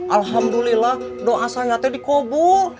alhamdulillah doa saya teh dikobur